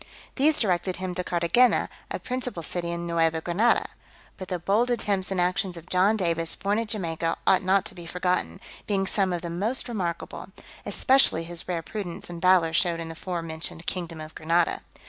These directed him to Carthagena, a principal city in Neuva Granada. But the bold attempts and actions of John Davis, born at Jamaica, ought not to be forgotten, being some of the most remarkable; especially his rare prudence and valour showed in the fore mentioned kingdom of Granada.